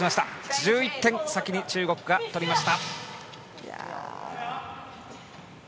１１点、先に中国が取りました。